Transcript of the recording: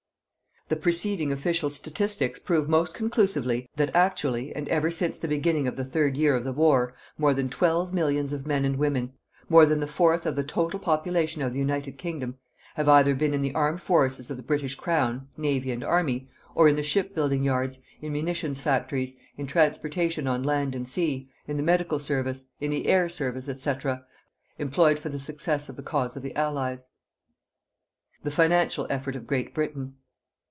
The preceding official statistics prove most conclusively that actually, and ever since the beginning of the third year of the war, more than twelve millions of men and women more than the fourth of the total population of the United Kingdom have been either in the Armed Forces of the British Crown Navy and Army or in the shipbuilding yards, in munitions factories, in transportation on land and sea, in the Medical Service, in the Air Service, &c., employed for the success of the cause of the Allies. THE FINANCIAL EFFORT OF GREAT BRITAIN.